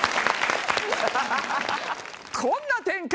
こんな展開